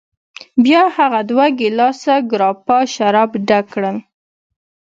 بیا هغه دوه ګیلاسه ګراپا شراب ډک کړل.